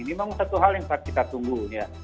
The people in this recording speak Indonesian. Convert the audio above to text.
ini memang satu hal yang saat kita tunggu ya